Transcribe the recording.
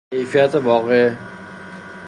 کیفیت واقعه